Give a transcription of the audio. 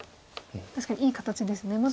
確かにいい形ですね。